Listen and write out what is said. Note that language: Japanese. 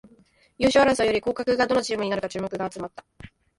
優勝争いより降格がどのチームになるかに注目が集まった